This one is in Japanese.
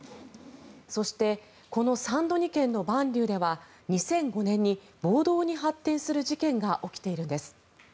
そして、このサン・ドニ県のバンリューでは２００５年に暴動に発展する事件が起きているんです。